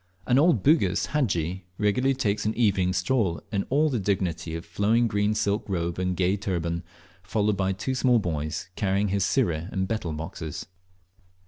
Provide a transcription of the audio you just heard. An old Bugis hadji regularly takes an evening stroll in all the dignity of flowing green silk robe and gay turban, followed by two small boys carrying his sirih and betel boxes.